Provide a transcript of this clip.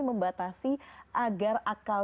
membatasi agar akal